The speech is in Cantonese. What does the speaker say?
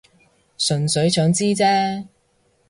純粹想知啫